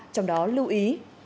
trong đó lưu ý